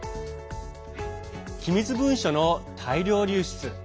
機密文書の大量流出。